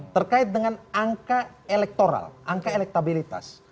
terkait dengan angka elektoral angka elektabilitas